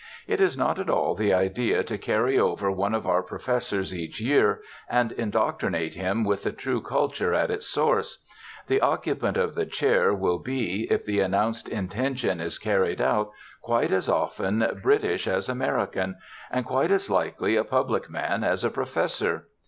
It is not at all the idea to carry over one of our professors each year and indoctrinate him with the true culture at its source. The occupant of the chair will be, if the announced intention is carried out, quite as often British as American, and quite as likely a public man as a professor.